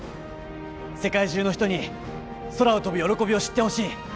世界中の人に空を飛ぶ喜びを知ってほしい。